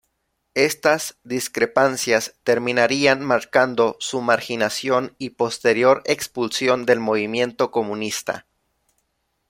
Estas discrepancias terminarían marcando su marginación y posterior expulsión del movimiento comunista.